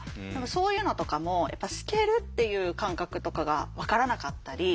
そういうのとかも透けるっていう感覚とかが分からなかったり。